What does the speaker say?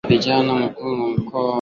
Mkuu wa Mkoa wa Dodoma.